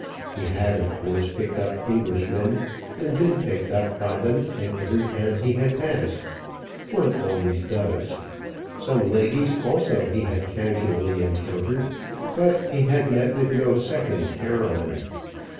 He had of course picked up Englishmen, and been picked up by them at every town he had passed; one always does; some ladies also he had casually encountered but he had met with no second Caroline.